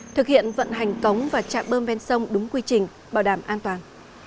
thực hiện vận hành cống và trạm bơm ven sông đúng quy trình bảo đảm an toàn